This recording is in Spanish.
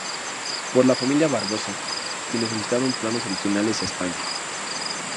Por la Familia Barboza, quienes solicitaron planos originales a España.